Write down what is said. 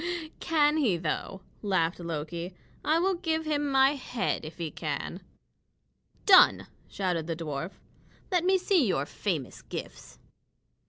"Can he, though?" laughed Loki. "I will give him my head if he can." "Done!" shouted the dwarf. "Let me see your famous gifts."